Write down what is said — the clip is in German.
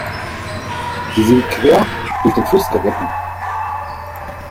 Sie sind quer durch den Fluss geritten.